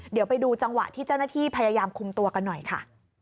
เดี๋ยวไปดูจังหวะที่เจ้าหน้าที่พยายามคุมตัวกันหน่อยค่ะ